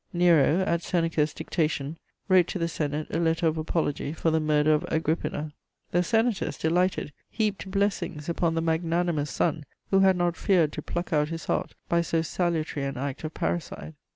Nero, at Seneca's dictation, wrote to the Senate a letter of apology for the murder of Agrippina; the Senators, delighted, heaped blessings upon the magnanimous son who had not feared to pluck out his heart by so salutary an act of parricide!